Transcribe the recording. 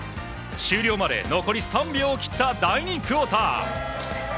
終了まで残り３秒を切った第２クオーター。